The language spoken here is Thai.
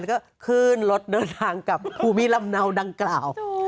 แล้วก็ขึ้นรถเดินทางกับภูมิลำเนาดังกล่าว